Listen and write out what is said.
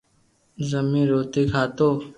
رمئين روٽي کاتو